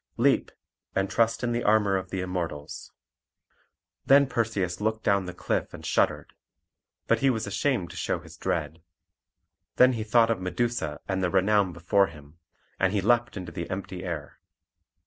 Leap, and trust in the armour of the Immortals." Then Perseus looked down the cliff and shuddered; but he was ashamed to show his dread. Then he thought of Medusa and the renown before him, and he leapt into the empty air.